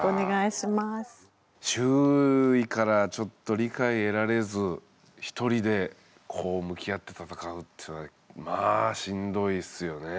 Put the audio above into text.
周囲からちょっと理解得られず一人で向き合ってたたかうっていうのはまあしんどいっすよね。